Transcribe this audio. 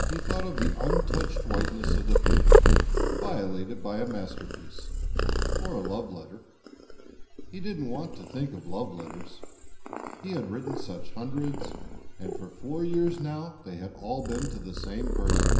He thought of the untouched whiteness of the paper violated by a masterpiece or a love letter. He didn't want to think of love letters. He had written such hundreds, and for four years now they had all been to the same person.